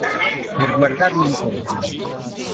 Per guardarmi intorno.